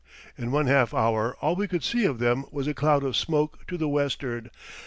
In one half hour all we could see of them was a cloud of smoke to the west'ard.